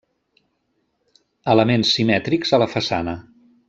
Elements simètrics a la façana.